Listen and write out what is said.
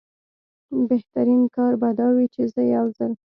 بهترین کار به دا وي چې زه یو ځل.